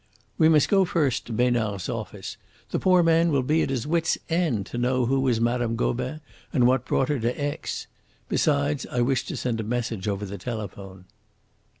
"We must go first to Besnard's office. The poor man will be at his wits' end to know who was Mme. Gobin and what brought her to Aix. Besides, I wish to send a message over the telephone."